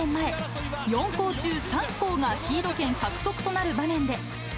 １２年前、４校中３校がシード権獲得となる場面で。